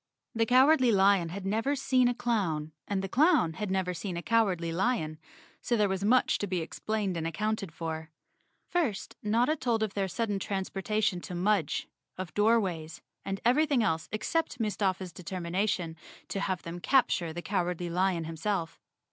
The Cowardly Lion had never seen a clown and the clown had never seen a Cowardly Lion, so there was much to be explained and accounted for. First, Notta told of their sudden transportation to Mudge, of Door¬ ways, and everything else except Mustafa's determina¬ tion to have them capture the Cowardly Lion himself.